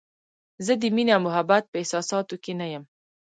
زه د مینې او محبت په احساساتو کې نه یم.